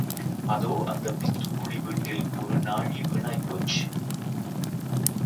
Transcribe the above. அதோ அந்தப் பித்துக்குளி வீட்டில் ஒரு நாழி வீணாய் போய்ச்சு.